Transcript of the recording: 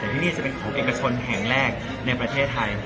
แต่ที่นี่จะเป็นของเอกชนแห่งแรกในประเทศไทย